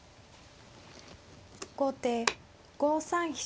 後手５三飛車。